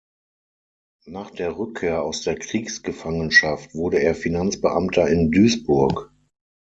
Nach der Rückkehr aus der Kriegsgefangenschaft wurde er Finanzbeamter in Duisburg.